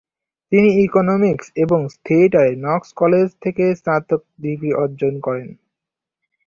তিনি ইকোনমিক্স এবং থিয়েটারে নক্স কলেজ থেকে স্নাতক ডিগ্রি অর্জন করেন।